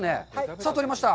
さあ取れました。